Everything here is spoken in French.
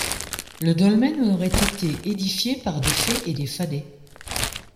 Le dolmen aurait été édifié par des fées et des fadets.